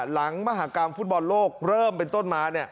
มหากรรมฟุตบอลโลกเริ่มเป็นต้นมา